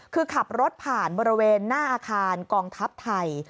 คือขับรถผ่านบริเวณหน้าอาคารกองทัพไทย